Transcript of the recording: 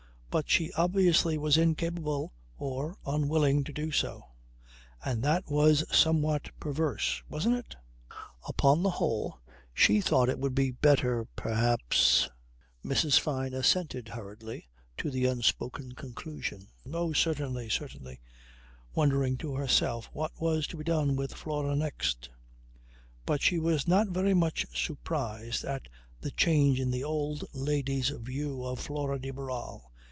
But she obviously was incapable or unwilling to do so. And that was somewhat perverse wasn't it? Upon the whole, she thought it would be better perhaps Mrs. Fyne assented hurriedly to the unspoken conclusion: "Oh certainly! Certainly," wondering to herself what was to be done with Flora next; but she was not very much surprised at the change in the old lady's view of Flora de Barral.